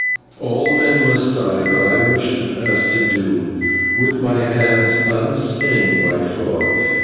All men must die, but I wish to pass to doom with my hands unstained by fraud.